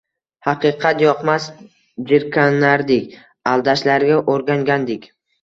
Haqiqat yoqmas, jirkanardik, aldashlariga o‘rgangandik.